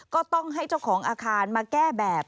ก็ต้องให้เจ้าของอาคารมาแก้แบบ